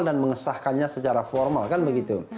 dan mengesahkannya secara formal kan begitu